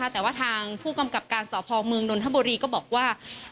แต่ว่าทางผู้กำกับการสพเมืองนนทบุรีก็บอกว่า